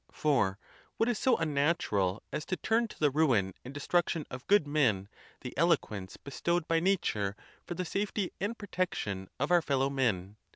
For what is so unnatural as to turn to the ruin and destruction of good men the eloquence bestowed by nature for the safety and protection of our fellow men?